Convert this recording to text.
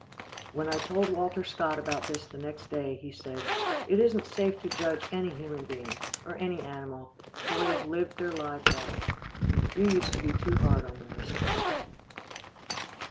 When I told Walter Scott about this the next day, he said: "It isn't safe to judge any human being, or any animal till they have lived their lives out. You used to be too hard on your mistress."